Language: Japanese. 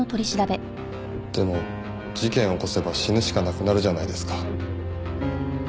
でも事件を起こせば死ぬしかなくなるじゃないですか。